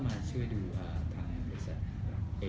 คุณที่ดูเรื่องอะไร